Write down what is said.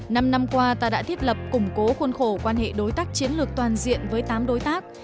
năm năm qua ta đã thiết lập củng cố khuôn khổ quan hệ đối tác chiến lược toàn diện với tám đối tác